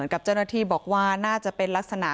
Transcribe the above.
จน๘โมงเช้าวันนี้ตำรวจโทรมาแจ้งว่าพบเป็นศพเสียชีวิตแล้ว